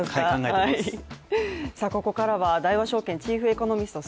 ここからは大和証券チーフエコノミスト